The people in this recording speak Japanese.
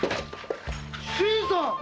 新さん！